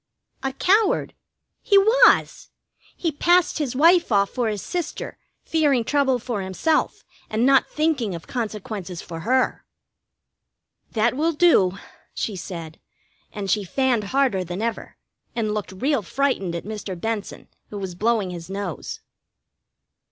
"A coward. He was! He passed his wife off for his sister, fearing trouble for himself, and not thinking of consequences for her." "That will do," she said, and she fanned harder than ever, and looked real frightened at Mr. Benson, who was blowing his nose.